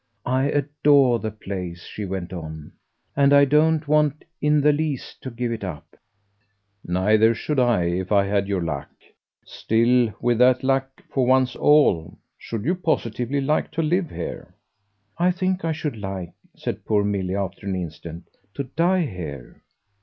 I adore the place," she went on, "and I don't want in the least to give it up." "Neither should I if I had your luck. Still, with that luck, for one's ALL ! Should you positively like to live here?" "I think I should like," said poor Milly after an instant, "to die here."